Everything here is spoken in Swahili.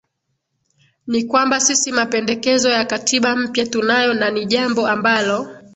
ni kwamba sisi mapendekezo ya katiba mpya tunayo na ni jambo ambalo